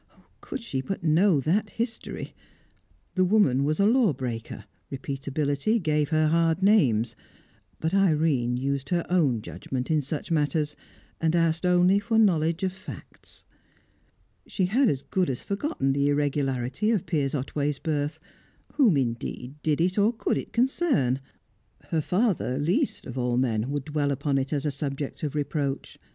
Could she but know that history The woman was a law breaker; repeatability gave her hard names; but Irene used her own judgment in such matters, and asked only for knowledge of facts. She had as good as forgotten the irregularity of Piers Otway's birth. Whom, indeed, did it or could it concern? Her father, least of all men, would dwell upon it as a subject of reproach.